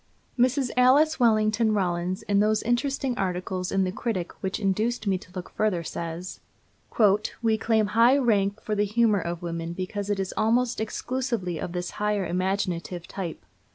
Mrs. Alice Wellington Rollins, in those interesting articles in the Critic which induced me to look further, says: "We claim high rank for the humor of women because it is almost exclusively of this higher, imaginative type.